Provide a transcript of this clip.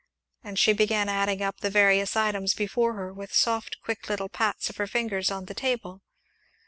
and she began adding up the various items before her with soft, quick little pats of her fingers on the table.